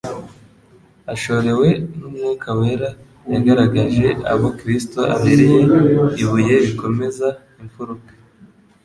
ashorewe n'Umwuka Wera yagaragaje abo Kristo abereye ibuye rikomeza imfuruka